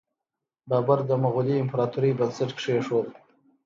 بابر د مغولي امپراتورۍ بنسټ کیښود.